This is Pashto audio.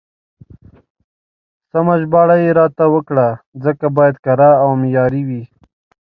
سمه ژباړه يې راته وکړه، ځکه بايد کره او معياري وي.